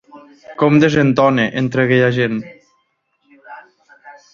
Com desentona, entre aquella gent!